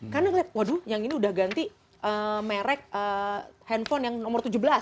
karena melihat waduh yang ini sudah ganti merek handphone yang nomor tujuh belas